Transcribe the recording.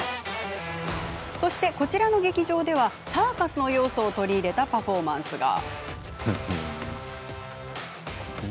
そして、こちらの劇場ではサーカスの要素を取り入れたパフォーマンスが。